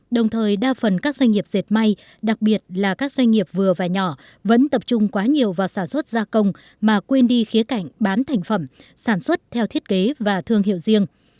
đồng thời đa phần các doanh nghiệp dệt may đặc biệt là các doanh nghiệp vừa và nhỏ vẫn tập trung quá nhiều vào sản xuất gia công mà quên đi khía cảnh bán thành phẩm sản xuất theo thiết kế và thương hiệu riêng